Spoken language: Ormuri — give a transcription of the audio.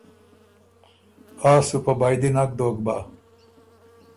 آ سو په بائدی نک دوک بَۀ۔